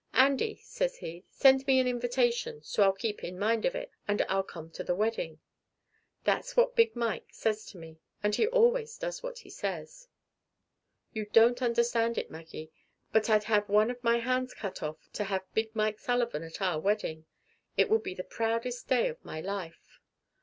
'Andy,' says he, 'send me an invitation, so I'll keep in mind of it, and I'll come to the wedding.' That's what Big Mike says to me; and he always does what he says. "You don't understand it, Maggie, but I'd have one of my hands cut off to have Big Mike Sullivan at our wedding. It would be the proudest day of my life.